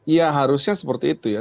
ya harusnya seperti itu ya